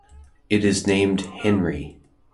It is named "Henry".